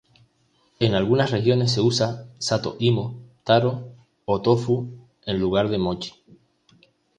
En algunas regiones se usa "sato-imo" —"taro"— o tofu en lugar de "mochi".